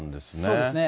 そうですね。